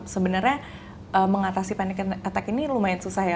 sebenarnya mengatasi panic attack ini lumayan susah ya